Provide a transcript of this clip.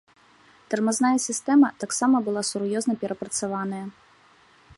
Тармазная сістэма таксама была сур'ёзна перапрацаваная.